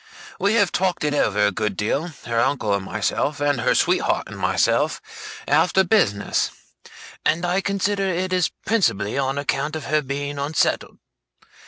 We have talked it over a good deal, her uncle and myself, and her sweetheart and myself, after business; and I consider it is principally on account of her being unsettled.